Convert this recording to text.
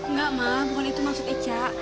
enggak mah bukan itu maksud ica